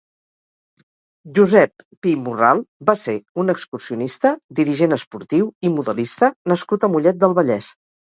Josep Pi Morral va ser un excursionista, dirigent esportiu i modelista nascut a Mollet del Vallès.